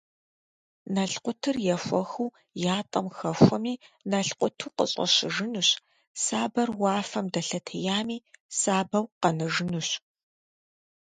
Налъкъутыр ехуэхыу ятӏэм хэхуэми, налъкъуту къыщӏэщыжынущ, сабэр уафэм дэлъэтеями, сабэу къэнэжынущ.